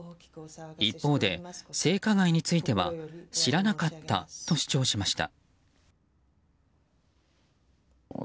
一方で、性加害については知らなかったと主張しました。